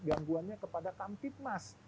gangguannya kepada kamtipmas